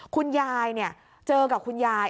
คุณยายเจอกับคุณยาย